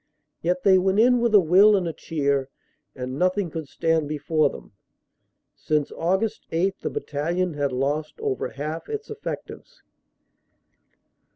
Yet they went in with a will and a cheer and nothing could stand before them. Since Aug. 8 the Battalion had lost over half its effectives.